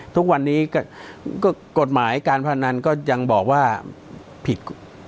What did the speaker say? ทุกวันนี้ก็กฎหมายการพนันก็ยังบอกว่าผิด